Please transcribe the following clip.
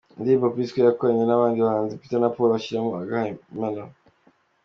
Indirimbo P-Square bakorana n’abandi bahanzi, Peter na Paul bashyiramo agahimano.